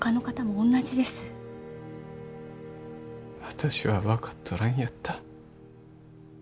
私は分かっとらんやった。